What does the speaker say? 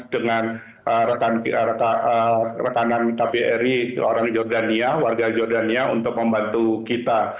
dengan rekanan kbri orang jordania warga jordania untuk membantu kita